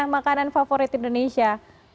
makanan favorit indonesia